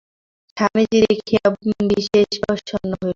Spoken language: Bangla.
স্বামীজী দেখিয়া বিশেষ প্রসন্ন হইলেন।